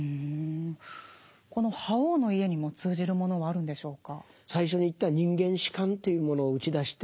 この「覇王の家」にも通じるものがあるんでしょうか？